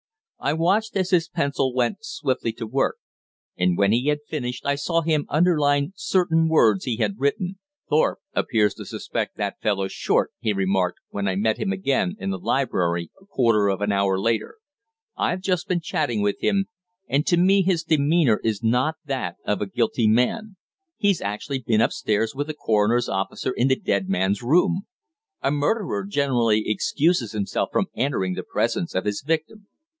I watched as his pencil went swiftly to work, and when he had finished I saw him underline certain words he had written. "Thorpe appears to suspect that fellow Short," he remarked, when I met him again in the library a quarter of an hour later. "I've just been chatting with him, and to me his demeanour is not that of a guilty man. He's actually been upstairs with the coroner's officer in the dead man's room. A murderer generally excuses himself from entering the presence of his victim."